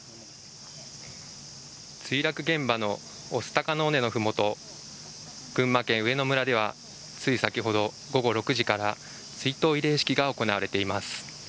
墜落現場の御巣鷹の尾根の麓群馬県上野村ではつい先ほど午後６時から追悼慰霊式が行われています。